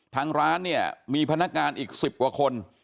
ทางร้านเนี่ยมีพนักงานอีก๑๐กว่าคน